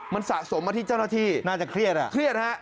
มันสะสมมาที่เจ้าหน้าที่น่าจะเครียดอ่ะเครียดฮะ